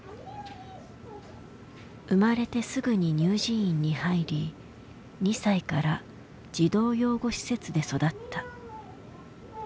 生まれてすぐに乳児院に入り２歳から児童養護施設で育った。